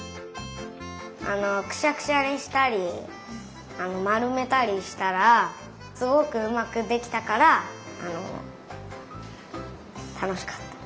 あのくしゃくしゃにしたりまるめたりしたらすごくうまくできたからあのたのしかった。